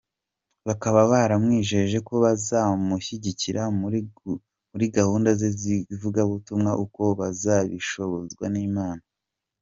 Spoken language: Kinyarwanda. Bakaba baramwijeje ko bazamushyigikira muri gahunda ze z’ivugabutumwa uko bazabishobozwa n’Imana.